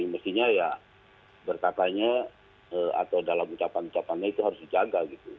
mestinya ya berkatanya atau dalam ucapan ucapannya itu harus dijaga gitu